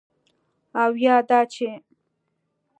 او یا دا چې: